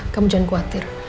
kamu jangan khawatir